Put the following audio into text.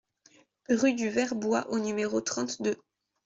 Rue du Vertbois au numéro trente-deux